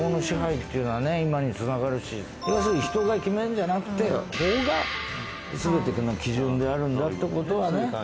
要するに人が決めるんじゃなくて法が全ての基準であるんだって事だね。